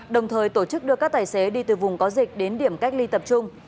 đồng thời tổ chức đưa các tài xế đi từ vùng có dịch đến điểm cách ly tập trung